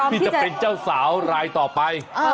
ที่จะเป็นเจ้าสาวรายต่อไป